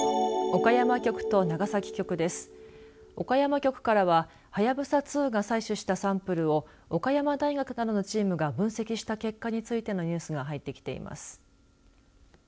岡山局からははやぶさ２が採取したサンプルを岡山大学などのチームが分析した結果についてのニュースが入ってきています。